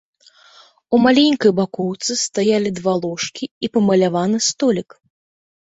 У маленькай бакоўцы стаялі два ложкі і памаляваны столік.